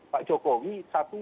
pak jokowi satu